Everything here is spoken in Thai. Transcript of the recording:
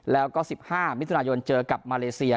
แล้วก็๑๕มิถุนายนเจอกับมาเลเซีย